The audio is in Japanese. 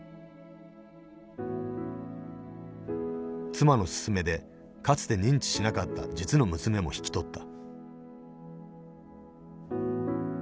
妻の勧めでかつて認知しなかった実の娘も引き取った。